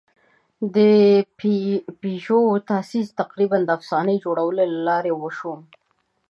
د پيژو تاسیس تقریباً د افسانې جوړولو له لارې وشو.